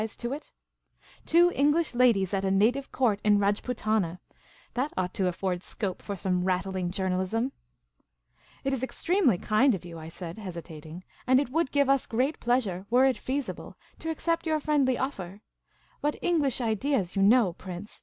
se to it ? Two English ladies at a native court in Rajputana !— that ought to afford .scope for .some rattling journalism ! "It is extremely kind of you," I said, hesitating, " and it would give us great pleasure, were it feasible, to accept your friendly offer. But — English ideas, you know. Prince